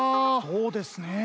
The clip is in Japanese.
そうですねえ。